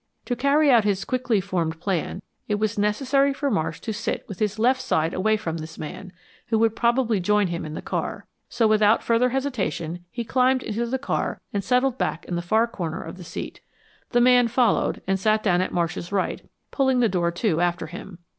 To carry out his quickly formed plan, it was necessary for Marsh to sit with his left side away from this man, who would probably join him in the car, so without further hesitation he climbed into the car and settled back in the far corner of the seat. The man followed and sat down at Marsh's right, pulling the door to after him.